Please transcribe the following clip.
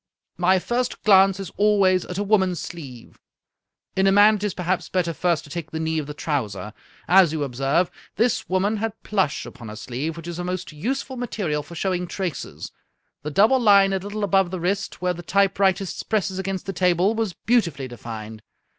My first glance is al ways at a woman's sleeve. In a man it is perhaps better first to take the knee of the trouser. As you observe, this woman had plush upon her sleeve, which is a most useful material for showing traces. The double line a little above the wrist, where the typewritist presses against the table, was beautifully defined.